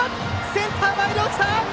センター前に落ちた！